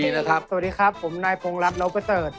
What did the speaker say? สวัสดีครับผมไนต์โพงรับเราประเศษ